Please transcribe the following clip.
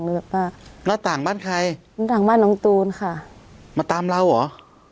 แบบว่าหน้าต่างบ้านใครหน้าต่างบ้านน้องตูนค่ะมาตามเราเหรอ